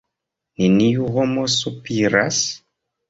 neniu homo sopiras?